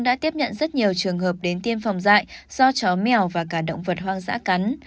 đã tiếp nhận rất nhiều trường hợp đến tiêm phòng dạy do chó mèo và cả động vật hoang dã cắn